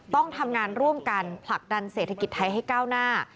ต้องทำงานร่วมกันผลักดันเศรษฐกิจไทยให้ก้าวหน้า